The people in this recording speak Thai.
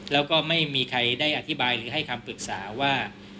แล้วก็ไม่มีใครได้อธิบายหรือให้คำปรึกษาว่า